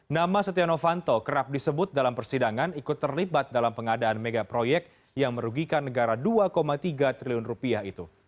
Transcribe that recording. nama setia novanto kerap disebut dalam persidangan ikut terlibat dalam pengadaan megaproyek yang merugikan negara dua tiga triliun rupiah itu